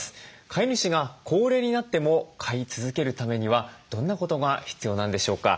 飼い主が高齢になっても飼い続けるためにはどんなことが必要なんでしょうか。